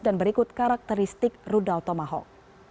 dan berikut karakteristik rudal tomahawk